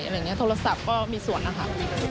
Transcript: อะไรอย่างนี้โทรศัพท์ก็มีส่วนนะคะ